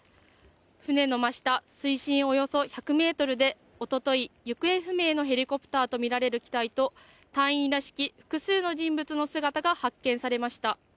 船の真下水深およそ１００ｍでおととい、行方不明のヘリコプターとみられる機体と隊員らしき複数の人物の姿が発見されました。